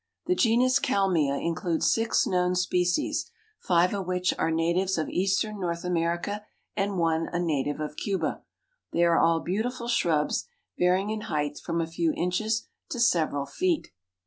The genus Kalmia includes six known species, five of which are natives of eastern North America and one a native of Cuba. They are all beautiful shrubs, varying in height from a few inches to several feet.